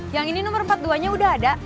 yang ini nomor empat puluh dua nya udah ada